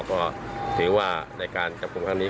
ก็ถือว่าในการจับปลูกข้างนี้